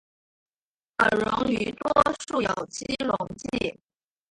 可溶于多数有机溶剂。